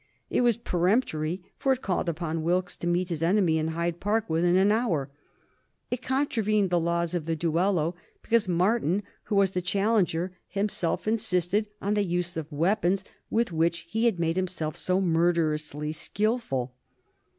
It was peremptory, for it called upon Wilkes to meet his enemy in Hyde Park within an hour. It contravened the laws of the duello, because Martin, who was the challenger, himself insisted on the use of the weapons with which he had made himself so murderously skilful.